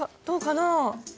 どうかな？